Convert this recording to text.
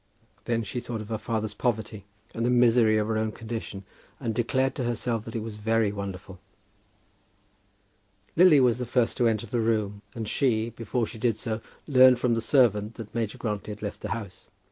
Then she thought of her father's poverty and the misery of her own condition, and declared to herself that it was very wonderful. Lily was the first to enter the room, and she, before she did so, learned from the servant that Major Grantly had left the house.